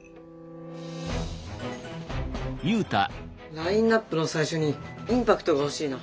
ラインナップの最初にインパクトが欲しいな。